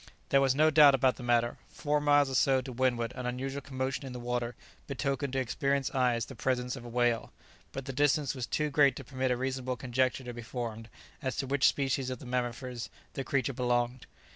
There was no doubt about the matter. Four miles or so to windward an unusual commotion in the water betokened to experienced eyes the presence of a whale; but the distance was too great to permit a reasonable conjecture to be formed as to which species of those mammifers the creature belonged.